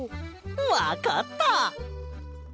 わかった！